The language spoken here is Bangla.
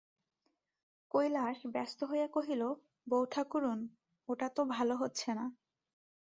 কৈলাস ব্যস্ত হইয়া কহিল, বউঠাকরুন, ওটা তো ভালো হচ্ছে না।